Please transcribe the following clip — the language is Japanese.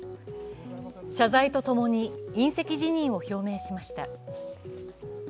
謝罪とともに引責辞任を表明しました。